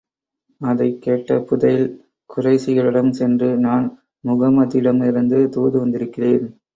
அதைக் கேட்ட புதைல், குறைஷிகளிடம் சென்று நான் முஹம்மதிடமிருந்து தூது வந்திருக்கிறேன்.